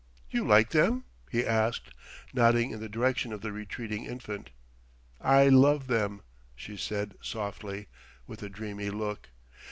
"You like them?" he asked, nodding in the direction of the retreating infant. "I love them," she said softly, with a dreamy look.